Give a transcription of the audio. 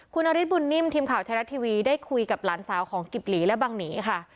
คุณนฤทธบุญนิ่มทีมข่าวไทยรัฐทีวีได้คุยกับหลานสาวของกิบหลีและบังหนีค่ะ